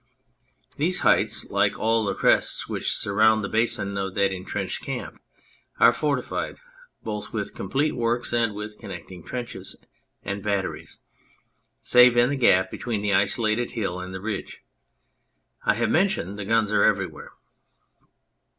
These heights, like all the crests which surround the basin of that entrenched camp, are fortified, both with complete works and with connecting trenches and batteries ; save in the gap between the isolated hill and the ridge I have mentioned the guns are everywhere.